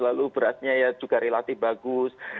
lalu berasnya ya juga relatif bagus